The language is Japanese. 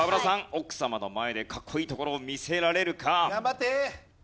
奥様の前でかっこいいところを見せられるか？